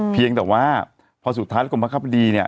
เพียงแต่ว่าพอสุดท้ายกรมพักษณ์คดีเนี่ย